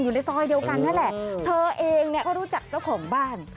อยู่ในซอยเดียวกันนั่นแหละเธอเองเนี่ยก็รู้จักเจ้าของบ้าน